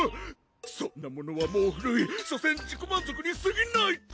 そんなものはもう古いしょせん自己満足にすぎないと？